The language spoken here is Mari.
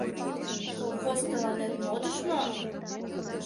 Колхоз тыланет модыш мо?